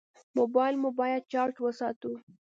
موبایل مو باید چارج وساتو.